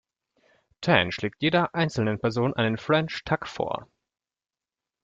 Tan schlägt jeder einzelnen Person einen French Tuck vor.